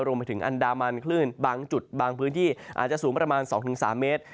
รวมไปถึงอันดามันคลื่นบางจุดบางพื้นที่อาจจะสูงประมาณ๒๓เมตร